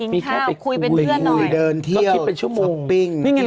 พี่ให้ผู้สูงอยู่ไปจองโต๊ะไง